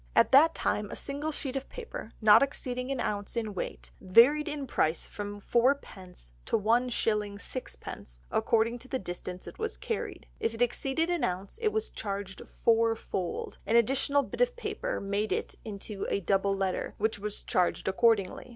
At that time a single sheet of paper, not exceeding an ounce in weight, varied in price from 4d. to 1s. 6d., according to the distance it was carried; if it exceeded an ounce, it was charged fourfold; any additional bit of paper made it into a double letter, which was charged accordingly.